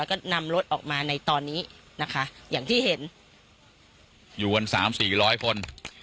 แล้วก็นำรถออกมาในตอนนี้นะคะอย่างที่เห็นอยู่กันสามสี่ร้อยคน